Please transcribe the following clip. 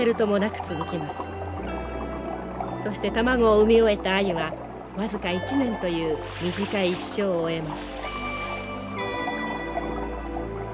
そして卵を産み終えたアユは僅か１年という短い一生を終えます。